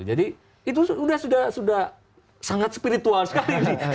jadi itu sudah sangat spiritual sekali